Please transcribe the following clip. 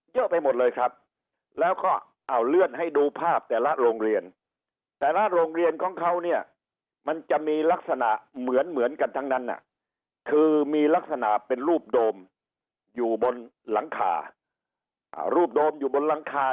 เยอะไปหมดเลยครับแล้วก็เอาเลื่อนให้ดูภาพแต่ละโรงเรียนแต่ละโรงเรียนของเขาเนี่ยมันจะมีลักษณะเหมือนเหมือนกันทั้งนั้นคือมีลักษณะเป็นรูปโดมอยู่บนหลังคารูปโดมอยู่บนหลังคา